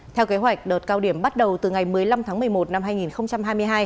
theo kế hoạch đợt cao điểm bắt đầu từ ngày một mươi năm tháng một mươi một năm hai nghìn hai mươi hai